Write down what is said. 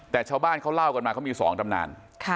แต่ชาวบ้านเขาเล่ากันมาเขามี๒ตำนาน